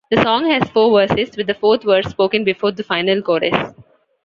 The song has four verses, with the fourth verse spoken before the final chorus.